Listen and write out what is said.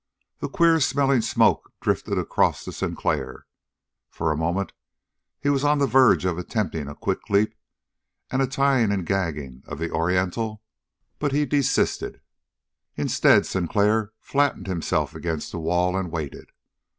The queer smelling smoke drifted across to Sinclair; for a moment he was on the verge of attempting a quick leap and a tying and gagging of the Oriental, but he desisted. Instead, Sinclair flattened himself against the wall and waited.